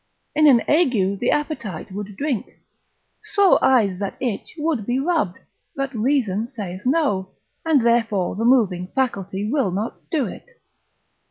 In an ague the appetite would drink; sore eyes that itch would be rubbed; but reason saith no, and therefore the moving faculty will not do it.